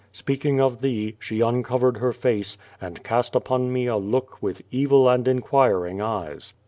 Speaking of thee, she uncovered her face, and cast upon me a look with evil and inquiring eyes.